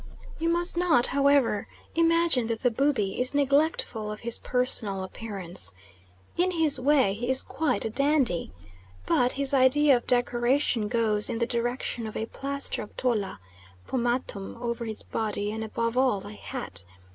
You must not, however, imagine that the Bubi is neglectful of his personal appearance. In his way he is quite a dandy. But his idea of decoration goes in the direction of a plaster of "tola" pomatum over his body, and above all a hat.